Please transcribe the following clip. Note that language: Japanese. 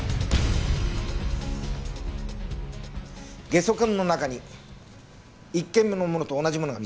ゲソ痕の中に１件目のものと同じものが見つかった。